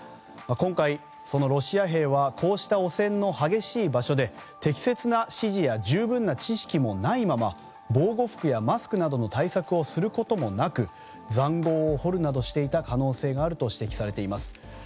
今回、ロシア兵はこうした汚染の激しい場所で適切な指示や十分な知識もないまま防護服やマスクなどの対策をすることもなく塹壕を掘るなどしていた可能性があると指摘されています。